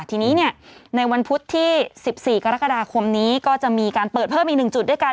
ทีนี้ในวันพุธที่๑๔กรกฎาคมนี้ก็จะมีการเปิดเพิ่มอีก๑จุดด้วยกัน